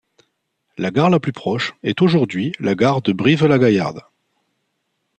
La gare la plus proche est aujourd'hui la gare de Brive-la-Gaillarde.